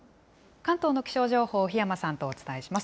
関東の気象情報、檜山さんとお伝えします。